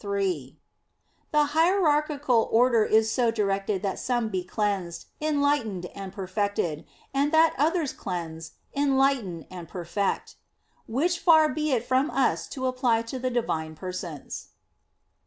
iii): "The hierarchical order is so directed that some be cleansed, enlightened, and perfected; and that others cleanse, enlighten, and perfect"; which far be it from us to apply to the Divine Persons.